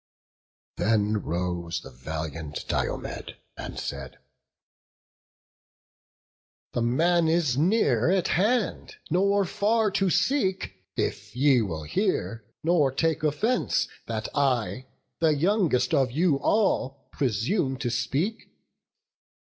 Then rose the valiant Diomed, and said: "The man is near at hand, nor far to seek, If ye will hear, nor take offence, that I, The youngest of you all, presume to speak.